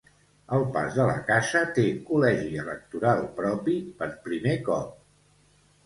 El Pas de la Casa té col·legi electoral propi per primer cop.